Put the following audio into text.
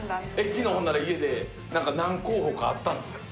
昨日ほんなら家で何候補かあったんですか？